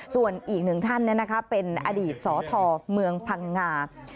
ส่วนอีกหนึ่งท่านเป็นอดีตสธเมืองพังงา